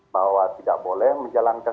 bahwa tidak boleh menjalankan